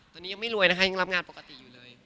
ตอนนี้ยังไม่รวยนะคะยังรับงานปกติอยู่เลย